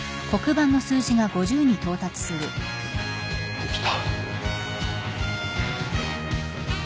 できた。